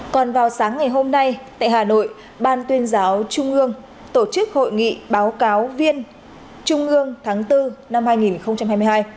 còn vào sáng ngày hôm nay tại hà nội ban tuyên giáo trung ương tổ chức hội nghị báo cáo viên trung ương tháng bốn năm hai nghìn hai mươi hai